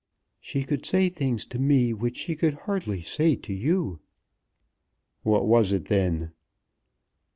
"She could say things to me which she could hardly say to you." "What was it then?"